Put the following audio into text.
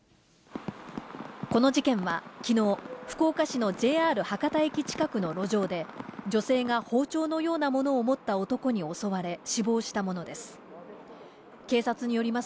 この事件はきのう、福岡市のＪＲ博多駅近くの路上で、女性が包丁のようなものを持った男に襲われ、死亡したものです。